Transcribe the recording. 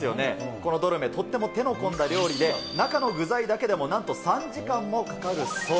このドルメ、とっても手の込んだ料理で、中の具材だけでもなんと３時間もかかるそう。